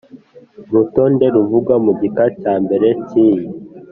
Urutonde ruvugwa mu gika cya mbere cy iyi